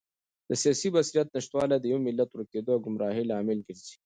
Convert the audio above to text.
د سیاسي بصیرت نشتوالی د یو ملت د ورکېدو او ګمراهۍ لامل ګرځي.